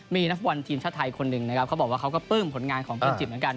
มีนักฟุตบอลทีมชาติไทยคนหนึ่งนะครับเขาบอกว่าเขาก็ปลื้มผลงานของเพนจิบเหมือนกัน